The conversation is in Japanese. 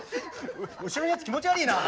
後ろのやつ気持ち悪いな。